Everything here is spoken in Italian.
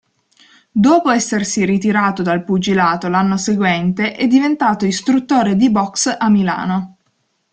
Dopo essersi ritirato dal pugilato l'anno seguente, è diventato istruttore di boxe a Milano.